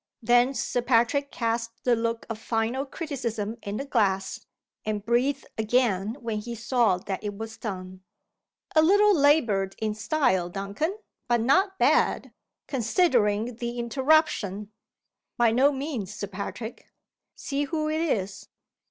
Then Sir Patrick cast the look of final criticism in the glass, and breathed again when he saw that it was done. "A little labored in style, Duncan. But not bad, considering the interruption?" "By no means, Sir Patrick." "See who it is."